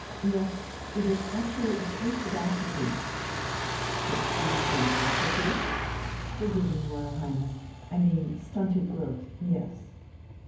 Yes. It is actually a case of atrophy ..." "Excuse me ... atrophy ...?" "Forgive me, Royal Highness. I mean stunted growth. Yes."